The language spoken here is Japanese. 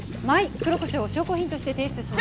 黒コショウを証拠品として提出します。